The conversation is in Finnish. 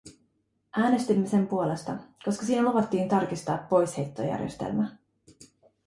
Äänestimme sen puolesta, koska siinä luvattiin tarkistaa poisheittojärjestelmä.